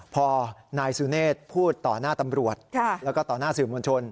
พอนายสุเนธพูดต่อหน้าตำรวจแล้วก็ต่อหน้าสื่อมวลชน